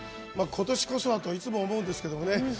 ことしこそはといつも思うんですけどね。